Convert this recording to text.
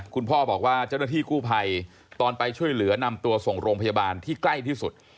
คุณพ่อบอกว่าเจ้าหน้าที่กู้ภัยตอนไปช่วยเหลือนำตัวส่งโรงพยาบาลที่ใกล้ที่สุด